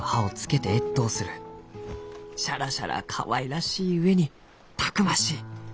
しゃらしゃらかわいらしい上にたくましい。